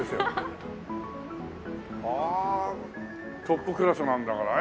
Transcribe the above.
トップクラスなんだから。